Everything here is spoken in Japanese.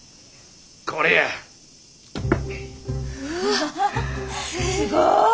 うわすごい。